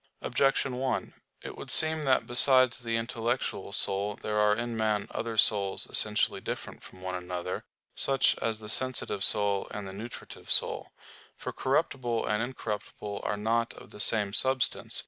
Objection 1: It would seem that besides the intellectual soul there are in man other souls essentially different from one another, such as the sensitive soul and the nutritive soul. For corruptible and incorruptible are not of the same substance.